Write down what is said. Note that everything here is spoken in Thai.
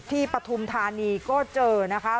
ปฐุมธานีก็เจอนะคะ